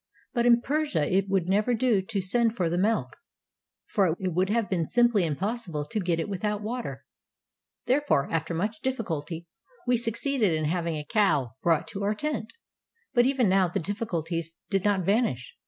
But in Persia it would never do to send for the milk, for it would have been simply impossible to get it without water. There fore, after much difficulty, we succeeded in having a cow brought to our tent. But even now the difficul ties did not vanish.